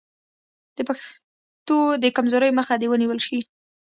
د پښتو د کمزورۍ مخه دې ونیول شي.